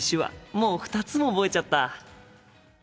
もう２つも覚えちゃった！